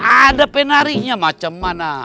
ada penari nya macem mana